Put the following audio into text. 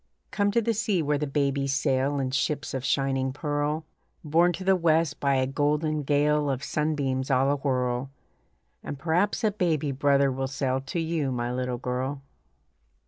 Come to the sea where the babies sail In ships of shining pearl, Borne to the west by a golden gale Of sun beams all awhirl; And perhaps a baby brother will sail To you, my little girl.